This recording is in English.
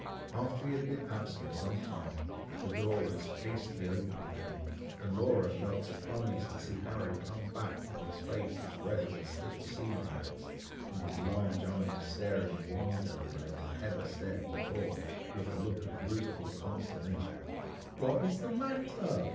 After he had been absent some time, the door was hastily opened again, and Laura felt surprised to see Harry come back with his face as red as a stick of sealing wax, and his large eyes staring wider than they had ever stared before, with a look of rueful consternation. "What is the matter!"